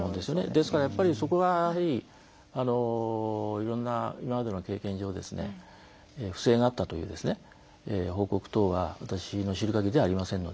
ですからやっぱりそこはいろんな今までの経験上不正があったという報告等は私の知る限りではありませんので。